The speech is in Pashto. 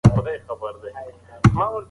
ځوانان غواړي د ستونزو په اړه خبرې وکړي.